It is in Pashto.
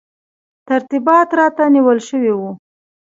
ترتیبات راته نیول شوي وو.